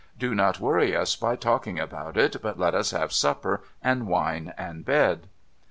Do not worry us by talking about it, but let us have supper, and wine, and bed.'